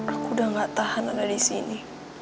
aku udah gak tahanan dari sini